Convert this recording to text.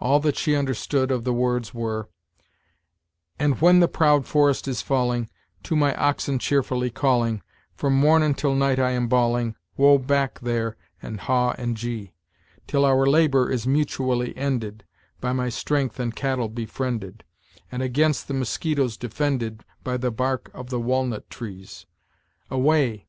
All that she understood of the words were: "And when the proud forest is falling, To my oxen cheerfully calling, From morn until night I am bawling, Whoa, back there, and haw and gee; Till our labor is mutually ended, By my strength and cattle befriended, And against the mosquitoes defended By the bark of the walnut trees. Away!